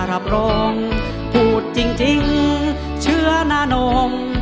รับรองพูดจริงเชื่อนานม